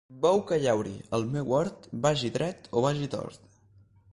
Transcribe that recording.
Bou que llauri el meu hort, vagi dret o vagi tort.